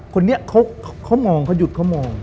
คนนี้เขามองอยุดมอง